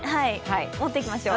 持っていきましょう。